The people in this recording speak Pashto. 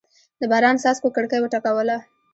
د باران څاڅکو کړکۍ وټکوله.